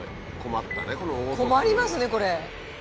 困りますねこれ！